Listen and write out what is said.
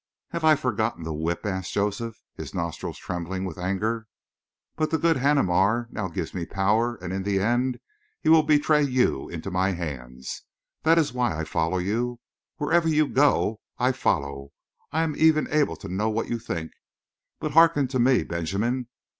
"Have I forgotten the whip?" asked Joseph, his nostrils trembling with anger. "But the good Haneemar now gives me power and in the end he will betray you into my hands. That is why I follow you. Wherever you go I follow; I am even able to know what you think! But hearken to me, Benjamin.